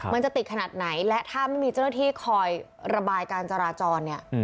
มันจะติดขนาดไหนและถ้าไม่มีเจ้าหน้าที่คอยระบายการจราจรเนี่ย